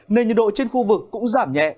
nên nhiệt độ trên khu vực cũng giảm nhẹ